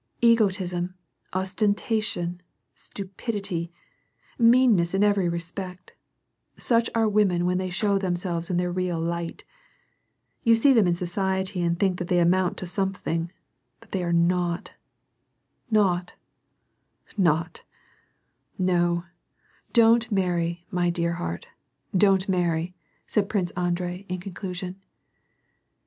Egotism, ostentation, stupidity, meanness in every respect — such are women when they show tliemselves in tlieir real light. You see them in society and think that they amount to some thing, but they are naught, naught, naught ! Ko, don't marry, 82 WAR AND PEACE. my dear heart, don't many," said Prince Andrei in conclu sion.